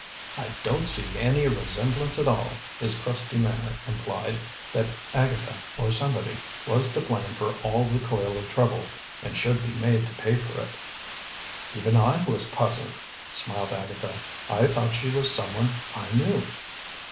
"I don't see any resemblance at all." His crusty manner implied that Agatha, or somebody, was to blame for all the coil of trouble, and should be made to pay for it. "Even I was puzzled," smiled Agatha. "I thought she was some one I knew."